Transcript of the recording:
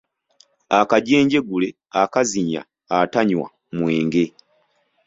Akajenjegule akazinya atanywa mwenge.